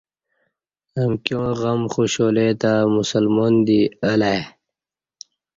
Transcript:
امکیاں غم خوشحالی تہ مسلمان دی الہ ائی